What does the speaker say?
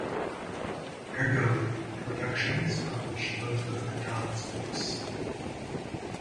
Ergo Productions published both of McDonald's books.